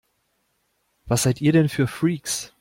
Was seid ihr denn für Freaks?